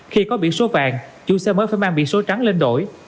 khi có biển số vàng chủ xe mới phải mang biển số trắng lên đổi